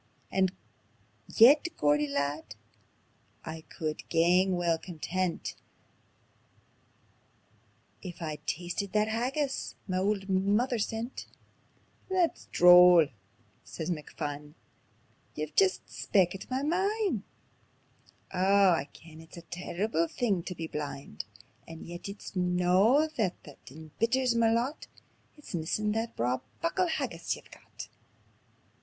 And yet, Geordie lad, I could gang weel content If I'd tasted that haggis ma auld mither sent." "That's droll," says McPhun; "ye've jist speakit ma mind. Oh I ken it's a terrible thing tae be blind; And yet it's no that that embitters ma lot It's missin' that braw muckle haggis ye've got."